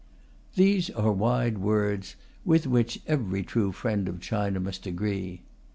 These are wise words, with which every true friend of China must agree.